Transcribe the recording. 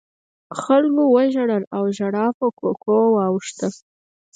خلکو وژړل او ژړا په کوکو واوښته.